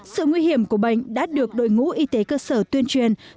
sự nguy hiểm của bệnh đã được đội ngũ y tế cơ sở tuyên truyền